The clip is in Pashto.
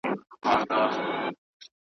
زامنو یې سپارلی رقیبانو ته بورجل دی .